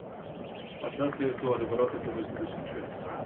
Aceasta este o adevărată poveste de succes.